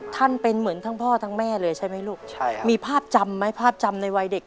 ท่านเป็นเหมือนทั้งพ่อทั้งแม่เลยใช่ไหมลูกใช่ครับมีภาพจำไหมภาพจำในวัยเด็ก